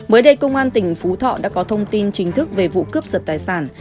mới đây công an tỉnh phú thọ đã có thông tin chính thức về vụ cướp giật tài sản